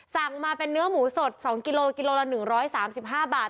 สั่งมาเป็นเนื้อหมูสด๒กิโลกิโลละ๑๓๕บาท